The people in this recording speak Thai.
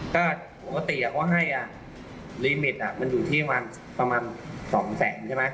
ก็ปกติเขาให้รีมิตมันอยู่ที่ประมาณ๒แสนใช่ไหม